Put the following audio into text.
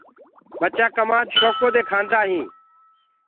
ٻچآ ڪمآد شوڪو دي کآندآ هين۔